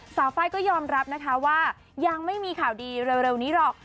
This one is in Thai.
ไฟล์ก็ยอมรับนะคะว่ายังไม่มีข่าวดีเร็วนี้หรอก